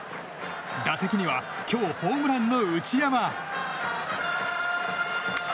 打席には今日ホームランの内山。